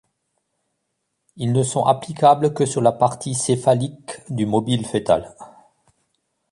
Ils ne sont applicables que sur la partie céphalique du mobile fœtal.